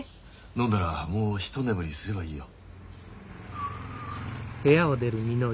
飲んだらもう一眠りすればいいよ。